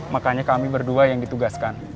makanya kami berdua yang ditugaskan